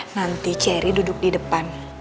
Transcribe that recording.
nanti cherry duduk di depan